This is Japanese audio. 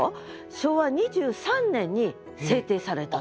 昭和２３年に制定されたと。